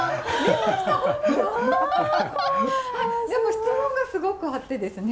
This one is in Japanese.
質問がすごくあってですね